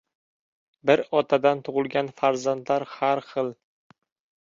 • Bir otadan tug‘ilgan farzandlar har xil.